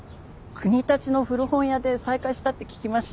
国立の古本屋で再会したって聞きました。